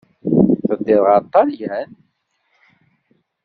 Teddiḍ ɣer Ṭṭalyan.